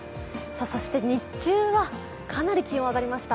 そして日中はかなり気温が上がりました。